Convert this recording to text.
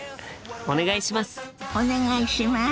お願いします。